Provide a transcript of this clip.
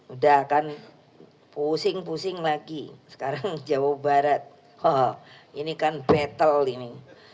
udah kan pusing pusing lagi sekarang jawa barat ini kan battle ini